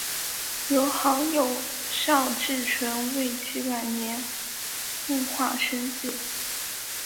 由好友邵志纯为其晚年摹划生计。